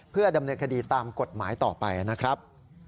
เพื่อดำเนินคดีตามกฎหมายต่อไปนะครับ